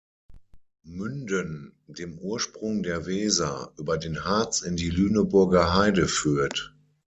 Münden, dem Ursprung der Weser, über den Harz in die Lüneburger Heide führt.